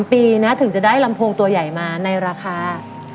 ปีนะถึงจะได้ลำโพงตัวใหญ่มาในราคา